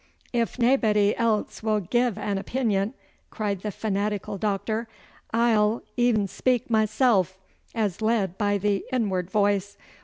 'If naebody else will gie an opeenion,' cried the fanatical Doctor, 'I'll een speak mysel' as led by the inward voice.